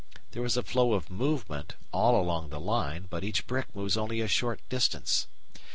There is a flow of movement all along the line, but each brick moves only a short distance.